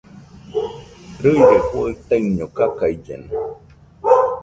Rɨire juaɨ taiño kakaillena